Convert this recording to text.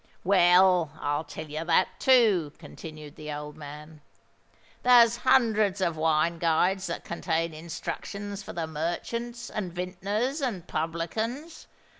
"Well, I'll tell you that too," continued the old man. "There's hundreds of Wine Guides that contain instructions for the merchants, and vintners, and publicans.